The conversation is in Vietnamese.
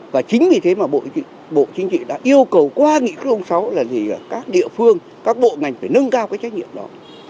và chính vì thế mà bộ chính trị đã yêu cầu qua nghị quyết sáu là gì các địa phương các bộ ngành phải nâng cao cái trách nhiệm đó